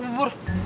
udah udah udah